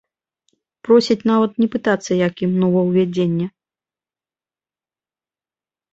Просяць нават не пытацца, як ім новаўвядзенне.